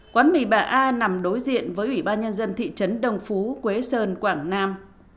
quán mì bà a nằm đối diện với ủy ban nhân dân thị trấn đồng phú quế sơn quảng nam